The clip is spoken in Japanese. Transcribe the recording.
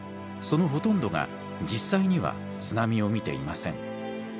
そのほとんどが実際には津波を見ていません。